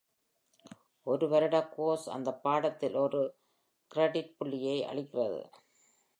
ஒரு வருட கோர்ஸ் அந்த பாடத்தில் ஒரு கிரெடிட் புள்ளியை அளிக்கிறது.